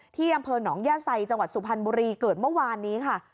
ที่อำเภอหนองย่าไซจังหวัดสุพรรณบุรีเกิดเมื่อวานนี้ค่ะ